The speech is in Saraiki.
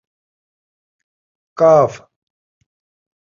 ک